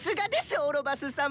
オロバス様！